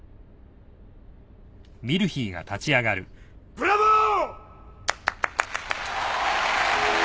ブラボー！